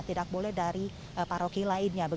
tidak boleh dari paroki lainnya